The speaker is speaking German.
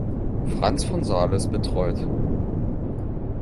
Franz von Sales betreut.